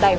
tại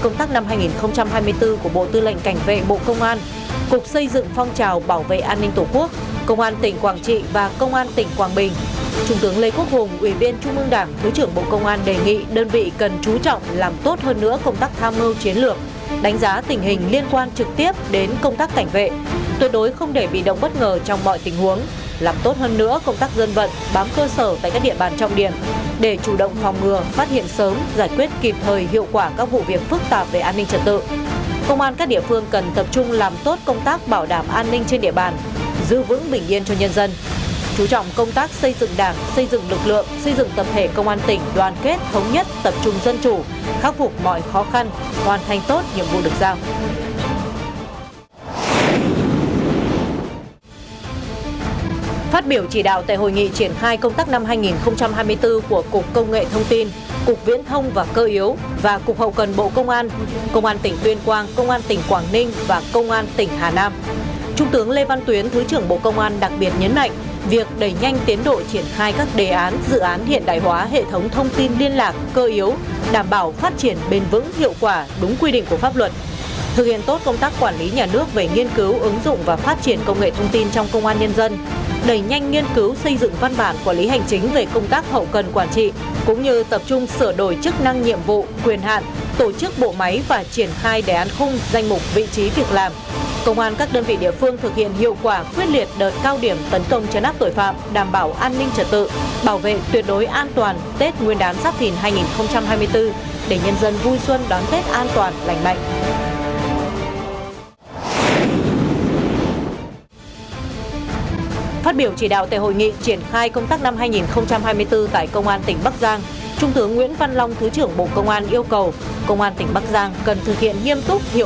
công tác năm hai nghìn hai mươi bốn tại công an tỉnh bắc giang trung tướng nguyễn văn long thứ trưởng bộ công an yêu cầu công an tỉnh bắc giang cần thực hiện nghiêm túc hiệu quả nhiệm vụ của đảng ủy công an trung ương bộ trưởng bộ công an phát huy và thể hiện tốt vai trò của lực lượng công an trong công tác đảm bảo an ninh trật tự phục vụ tốt nhiệm vụ phát triển kinh tế xã hội của tỉnh xây dựng lực lượng công an nhân dân thật sự trong sạch vững mạnh chính quy tinh nguyện hiện đại đáp ứng yêu cầu nhiệm vụ trong tình hình mới